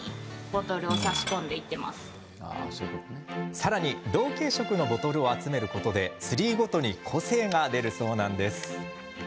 さらに同系色のボトルを集めることでツリーごとに個性が出るそうなんです。